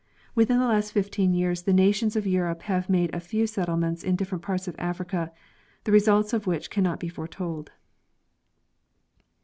Within the last fifteen years the nations of Europe have made a few settlements in different parts of Africa, the results of which cannot be foretold.